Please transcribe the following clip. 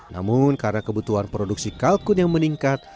namun karena kebutuhan produksi kalkun yang meningkat